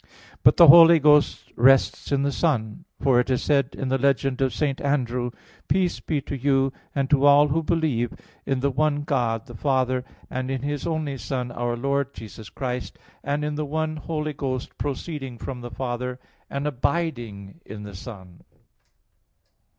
But the Holy Ghost rests in the Son; for it is said in the legend of St. Andrew: "Peace be to you and to all who believe in the one God the Father, and in His only Son our Lord Jesus Christ, and in the one Holy Ghost proceeding from the Father, and abiding in the Son."